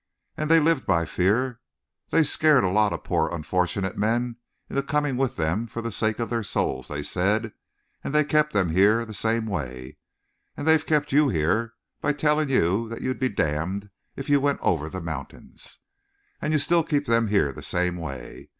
"And they've lived by fear. They scared a lot of poor unfortunate men into coming with them for the sake of their souls, they said. And they kept them here the same way. And they've kept you here by telling you that you'd be damned if you went over the mountains. "And you still keep them here the same way.